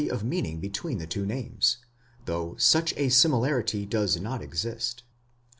of meaning between the two names, though such a similarity does not exist.